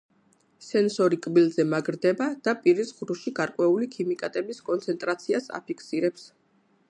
სენსორი კბილზე მაგრდება და პირის ღრუში გარკვეული ქიმიკატების კონცენტრაციას აფიქსირებს.